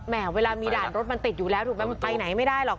เวลามีด่านรถมันติดอยู่แล้วถูกไหมมันไปไหนไม่ได้หรอก